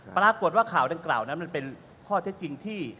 ปรากฏว่าข่าวดังกล่าวนั้นมันเป็นข้อเท็จจริงที่